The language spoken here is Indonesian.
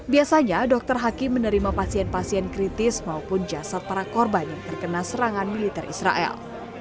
biasanya dokter hakim menerima pasien pasien kritis maupun jasad para korban yang terkena serangan militer israel